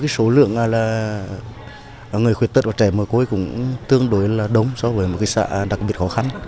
số lượng người khuyết tật và trẻ mồ côi cũng tương đối là đông so với một xã đặc biệt khó khăn